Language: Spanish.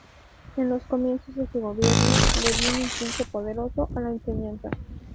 En los comienzos de su gobierno, le dio un impulso poderoso a la enseñanza.